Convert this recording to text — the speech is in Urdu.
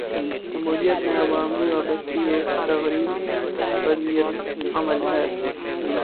جمہوریت میں عوامی وابستگی ایک تغیر پذیر عمل ہے۔